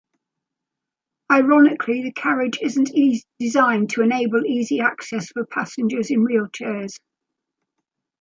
Ironically, the carriage isn't designed to enable easy access for passengers in wheelchairs.